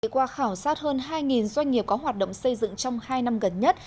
qua khảo sát hơn hai doanh nghiệp có hoạt động xây dựng trong hai năm gần nhất